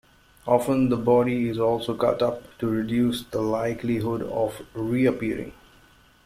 Often, the body is also cut up to reduce the likelihood of reappearing.